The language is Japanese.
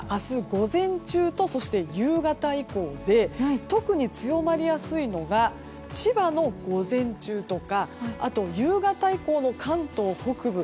午前中とそして夕方以降で特に強まりやすいのが千葉の午前中とかあと、夕方以降の関東北部。